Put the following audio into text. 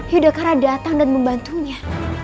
yudhakara datang dan membantunya